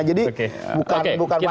jadi bukan wacana kan seperti itu